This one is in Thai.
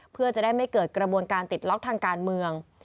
เพื่อจะได้ไม่เกิดกระบวนการติดล็อกทางการเมือง